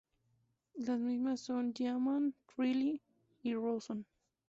Las mismas son: Gaiman, Trelew y Rawson.